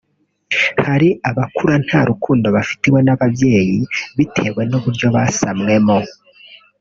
hari abakura nta rukundo bafitiwe n’ababyeyi bitewe n’uburyo basamwemo